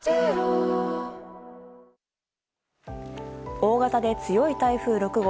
大型で強い台風６号。